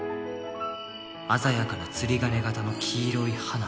鮮やかな釣り鐘形の黄色い花。